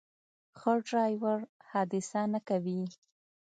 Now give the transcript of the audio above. ښه ډرایور حادثه نه کوي.